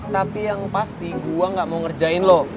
tapi yang pasti gue nggak mau ngerjain lo